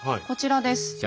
こちらです。